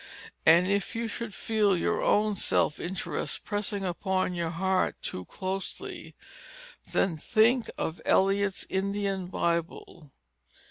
And if you should feel your own self interest pressing upon your heart too closely, then think of Eliot's Indian Bible.